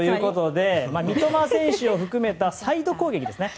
三笘選手を含めたサイド攻撃ですね。